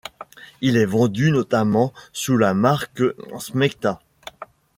Il est vendu notamment sous la marque Smecta.